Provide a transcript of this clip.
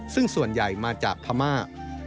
ซึ่งส่วนใหญ่มาจากพม่า